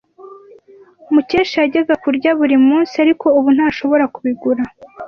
Mukesha yajyaga kurya buri munsi, ariko ubu ntashobora kubigura.